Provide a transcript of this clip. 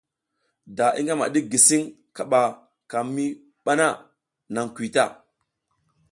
Da i ngama ɗik gisiƞ kaɓa ka mi ɓa na, naƞ kuy ta.